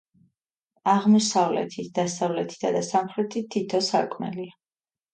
აღმოსავლეთით, დასავლეთითა და სამხრეთით თითო სარკმელია.